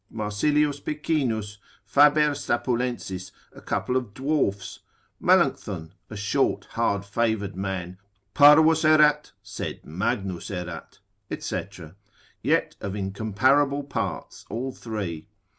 Marcilius Picinus, Faber Stapulensis, a couple of dwarfs, Melancthon a short hard favoured man, parvus erat, sed magnus erat, &c., yet of incomparable parts all three.